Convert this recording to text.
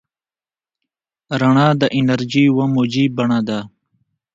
رڼا د انرژۍ یوه موجي بڼه ده.